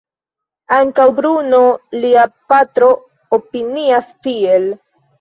Ankaŭ Bruno, lia patro, opinias tiel.